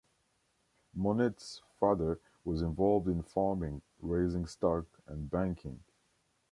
Monnette's father was involved in farming, raising stock, and banking.